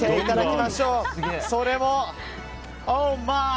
それも、オーマイ！